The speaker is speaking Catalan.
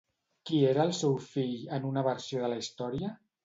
Qui era el seu fill en una versió de la història?